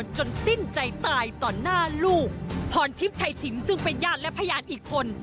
จนสิ้นใจตายต่อหน้าลูกพรทิพย์ชัยสินซึ่งเป็นญาติและพยานอีกคน